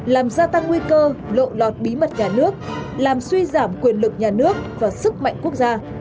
làm gia tăng nguy cơ lộ lọt bí mật nhà nước làm suy giảm quyền lực nhà nước và sức mạnh quốc gia